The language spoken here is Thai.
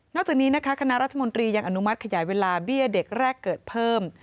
จากนี้นะคะคณะรัฐมนตรียังอนุมัติขยายเวลาเบี้ยเด็กแรกเกิดเพิ่ม